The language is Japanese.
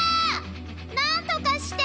なんとかして！